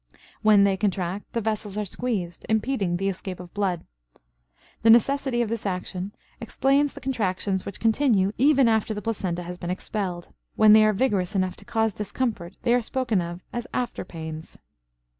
When they contract the vessels are squeezed, impeding the escape of blood. The necessity of this action explains the contractions which continue even after the placenta has been expelled, when they are vigorous enough to cause discomfort they are spoken of as "after pains."